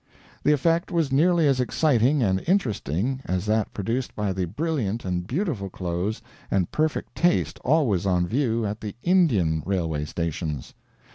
The effect was nearly as exciting and interesting as that produced by the brilliant and beautiful clothes and perfect taste always on view at the Indian railway stations.